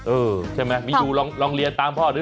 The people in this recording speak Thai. เออใช่ไหมมีดูลองเรียนตามพ่อดู